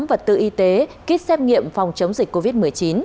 vật tư y tế kit xét nghiệm phòng chống dịch covid một mươi chín